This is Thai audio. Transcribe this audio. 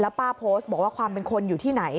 ป้าโพสต์บอกว่าความเป็นคนอยู่ที่ไหน